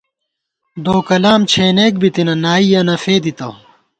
دوکلام چھېنېک بِتنہ ، نائی یَنہ فېدِتہ